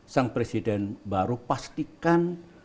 sang presiden baru pastikan